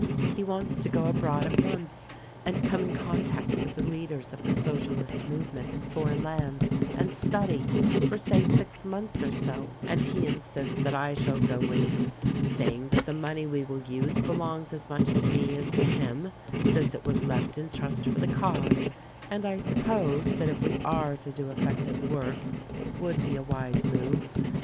He wants to go abroad at once and come in contact with the leaders of the Socialist movement in foreign lands, and study, 279 280 THE RECORDING ANGEL for, say, six months or so ; and he insists that I shall go with him, saying that the money we will use belongs as much to me as to him, since it was left in trust for the cause ; and I suppose that if we are to do effective work it would be a wise move.